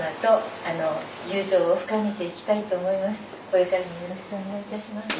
これからもよろしくお願いいたします。